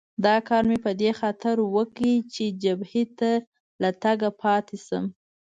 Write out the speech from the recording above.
دا کار مې په دې خاطر وکړ چې جبهې ته له تګه پاتې شم.